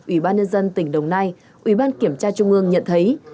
ủy ban nhân dân tỉnh đồng nai ủy ban kiểm tra trung ương nhận thấy